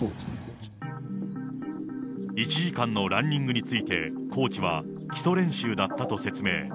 １時間のランニングについて、コーチは、基礎練習だったと説明。